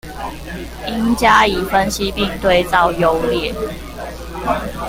應加以分析並對照優劣